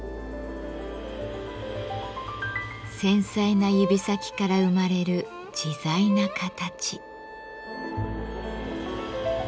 繊細な指先から生まれる自在な形。